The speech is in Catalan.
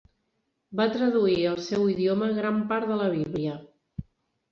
Va traduir al seu idioma gran part de la Bíblia.